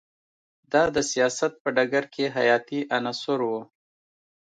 دا د سیاست په ډګر کې حیاتی عنصر و